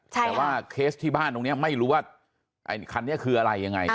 แต่ว่าเคสที่บ้านตรงนี้ไม่รู้ว่าไอ้คันนี้คืออะไรยังไง